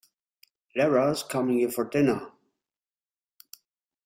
Lara is coming here for dinner.